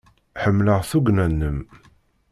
Ḥemmleɣ tugna-nnem.